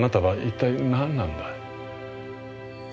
一体何なんだ？